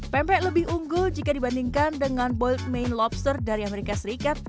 pempek lebih unggul jika dibandingkan dengan boiled main lobster dari amerika serikat